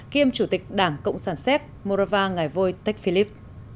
kiêm chủ tịch đảng cộng sản séc morava ngài vôi tecphilip